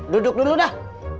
duduk dulu dah